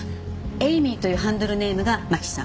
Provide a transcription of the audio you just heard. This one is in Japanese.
エイミーというハンドルネームが真紀さん。